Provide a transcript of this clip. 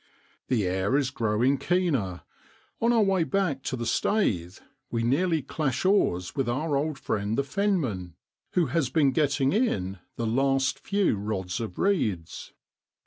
The air is growing keener. On our way back to the staith we nearly clash oars with our old friend the fenman, who has been getting in the last few rods of reeds.